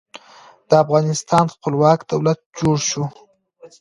د افغانستان خپلواک دولت جوړ شو.